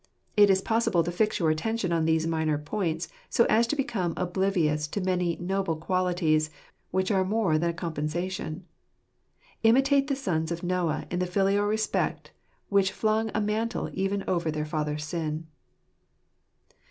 It is possible so to fix your attention on these minor points as to become oblivious to many noble qualities, which are more than a compensation. Imitate the sons of Noah in the filial respect which flung a mantle even over their father's sin.